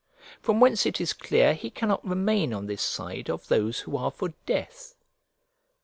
From whence it is clear he cannot remain on this side of those who are for death.